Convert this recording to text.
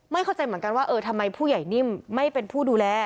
เข้าใจเหมือนกันว่าเออทำไมผู้ใหญ่นิ่มไม่เป็นผู้ดูแล